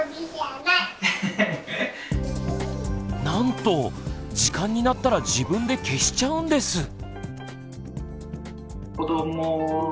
なんと時間になったら自分で消しちゃうんです。